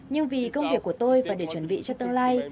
nhưng vì công việc của tôi và để chuẩn bị cho tương lai